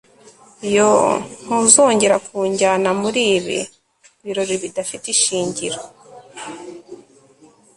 yoo! ntuzongere kunjyana muri ibi birori bidafite ishingiro